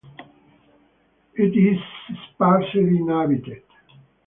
It is sparsely inhabited.